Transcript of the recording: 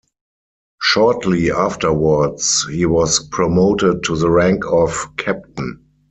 Shortly afterwards he was promoted to the rank of captain.